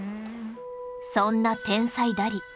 そんな天才ダリ